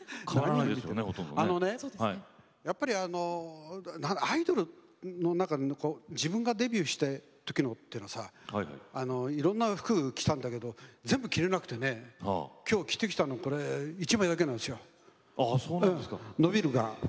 あのね、やっぱりアイドルの中の自分がデビューしたときっていうのはさいろんな服を着たんだけど全部着られなくてねきょう着てきたこれ１枚だけなんですよ。